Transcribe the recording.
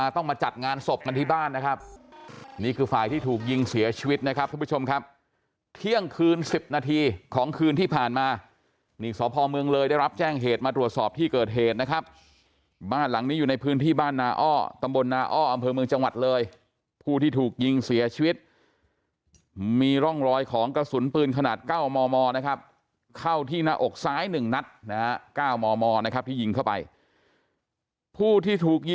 ตั้งคืนสิบนาทีของคืนที่ผ่านมานี่สภอเมืองเลยได้รับแจ้งเหตุมาตรวจสอบที่เกิดเหตุนะครับบ้านหลังนี้อยู่ในพื้นที่บ้านนาอ้อตำบลนาอ้ออำเภอเมืองจังหวัดเลยผู้ที่ถูกยิงเสียชีวิตมีร่องรอยของกระสุนปืนขนาดเก้ามอมอนะครับเข้าที่หน้าอกซ้ายหนึ่งนัดนะฮะเก้ามอมอนะครับที่ยิงเข้าไปผู้ที่ถูก